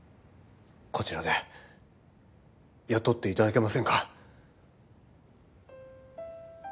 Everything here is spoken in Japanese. こちらで雇って頂けませんか？